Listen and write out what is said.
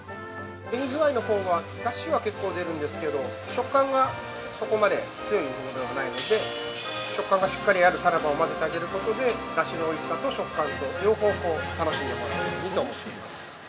◆ベニズワイのほうは、だしは結構出るんですけど、食感がそこまで強いものではないので、食感がしっかりあるタラバをまぜてあげることで、だしのおいしさと食感と両方、楽しんでもらえるようにと。